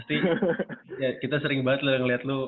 pasti kita sering banget lu ngeliat lu